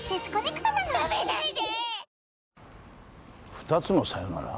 ２つの「さよなら」？